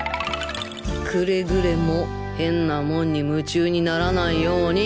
くれぐれも変なモンに夢中にならないように